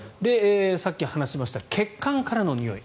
さっき話しました血管からのにおい。